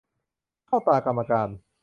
เข้าตากรรมการ